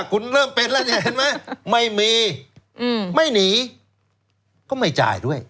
คุณเริ่มเป็นแล้วเนี่ยเห็นไหมไม่มีไม่หนีก็ไม่จ่ายด้วย